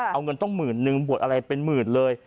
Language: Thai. เอาเงินต้องหมื่นนึงบวชอะไรเป็นหมื่นเลย